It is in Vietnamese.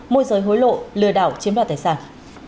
môi giới hối lộ lừa đảo chiếm đoạt tài sản